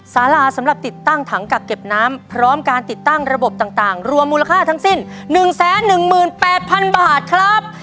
สาราสำหรับติดตั้งถังกักเก็บน้ำพร้อมการติดตั้งระบบต่างรวมมูลค่าทั้งสิ้น๑๑๘๐๐๐บาทครับ